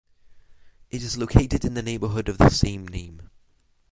It is located in the neighbourhood of the same name.